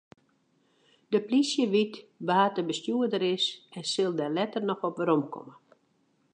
De plysje wit wa't de bestjoerder is en sil dêr letter noch op weromkomme.